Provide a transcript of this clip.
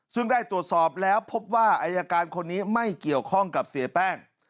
ซึ่งได้ตรวจสอบแล้วพบว่าอายการคนนี้ไม่เกี่ยวข้องกับเสียแป้ง